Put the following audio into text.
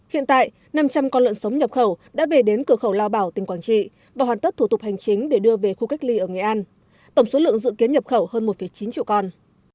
hiện tại năm trăm linh con lợn sống nhập khẩu đã về đến cửa khẩu lao bảo tỉnh quảng trị và hoàn tất thủ tục hành chính để đưa về khu cách ly ở nghệ an tổng số lượng dự kiến nhập khẩu hơn một chín triệu con